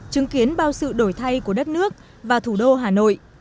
chứng kiến bao sự đổi thay của đất nước và thủ đô hà nội